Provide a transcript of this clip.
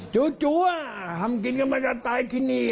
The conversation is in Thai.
จู่ทำกินกันมันจะตายที่นี่